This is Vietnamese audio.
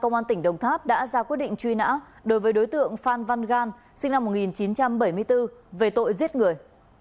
công an tỉnh đồng tháp đã ra quyết định truy nã đối với đối tượng phan văn gan sinh năm một nghìn chín trăm bảy mươi bốn về tội giết người